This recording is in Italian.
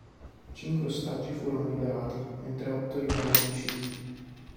Cinque ostaggi furono liberati, mentre otto rimasero uccisi.